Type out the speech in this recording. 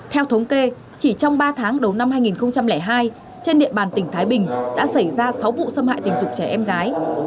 theo thống kê chỉ trong ba tháng đầu năm hai nghìn hai trên địa bàn tỉnh thái bình đã xảy ra sáu vụ xâm hại tình dục trẻ em gái